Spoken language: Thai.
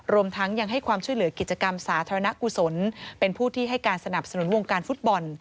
รวมทั้งยังให้ความช่วยเหลือกิจกรรมสาธารณกุศลเป็นผู้ที่ให้การสนับสนุนวงการฟุตบอล